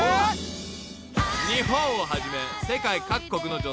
［日本をはじめ世界各国の女性たち